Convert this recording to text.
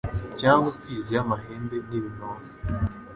cyangwa imfizi y’amahembe n’ibinono